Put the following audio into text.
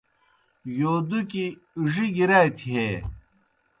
یودُکیْ ڙگیْ راتیْ ہے